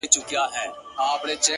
څه په هنر ريچي ـ ريچي راته راوبهيدې”